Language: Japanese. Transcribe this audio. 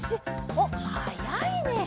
おっはやいね！